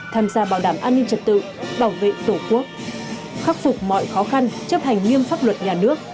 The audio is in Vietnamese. tham gia bảo đảm an ninh trật tự bảo vệ tổ quốc khắc phục mọi khó khăn chấp hành nghiêm pháp luật nhà nước